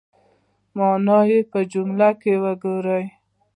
مانا یې په جملو کې وګورئ